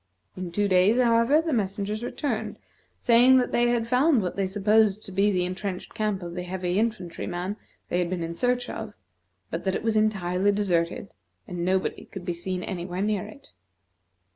In two days, however, the messengers returned, stating that they had found what they supposed to be the intrenched camp of the heavy infantry man they had been sent in search of, but that it was entirely deserted, and nobody could be seen anywhere near it.